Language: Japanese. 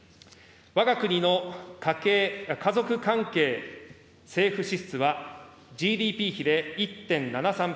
わが国の家族関係政府支出はＧＤＰ比で１．７３％。